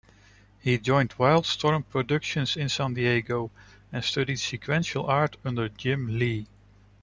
He joined Wildstorm Productions in San Diego and studied sequential art under Jim Lee.